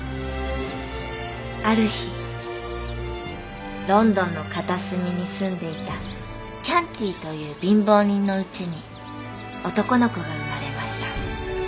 「ある日ロンドンの片隅に住んでいたキャンティという貧乏人のうちに男の子が生まれました。